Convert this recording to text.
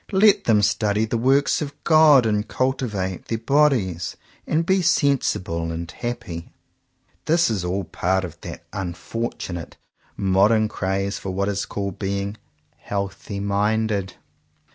Let them study the works of God, and cultivate their bodies, and be sensible and happy." This is all part of that un fortunate modern craze for what is called being healthy minded."